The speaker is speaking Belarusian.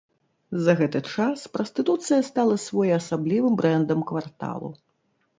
За гэты час прастытуцыя стала своеасаблівым брэндам кварталу.